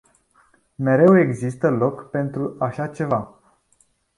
Mereu există loc pentru așa ceva.